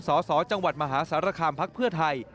สสจังหวัดมหาสารคามพักเพื่อไทย